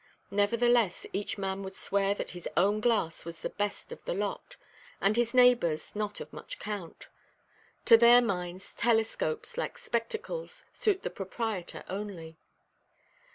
Nevertheless, each man would swear that his own glass was the best of the lot, and his neighbourʼs "not of much count." To their minds, telescopes like spectacles suit the proprietor only.